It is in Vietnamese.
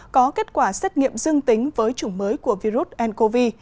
có kết quả xét nghiệm dương tính với chủng mới của virus ncov